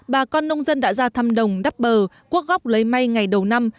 bà con nông dân đã ra thăm đồng đắp bờ quốc lấy may ngày đầu năm